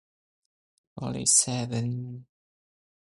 He is the head coach of the Central Connecticut men's basketball team.